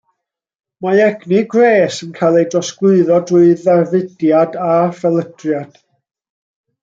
Mae egni gwres yn cael ei drosglwyddo drwy ddarfudiad a phelydriad.